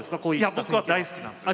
僕は大好きなんですよ。